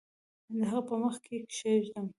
د هغه په مخ کې کښېږدم